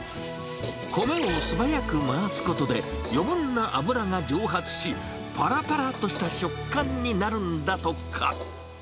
米を素早く回すことで、余分な油が蒸発し、ぱらぱらっとした食感になるんだとか。